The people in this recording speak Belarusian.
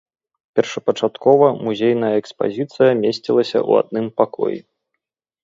Першапачаткова музейная экспазіцыя месцілася ў адным пакоі.